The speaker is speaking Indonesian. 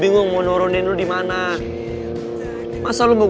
bingung mau nurunin lu di mana masa lo mau gue turunin di kuburan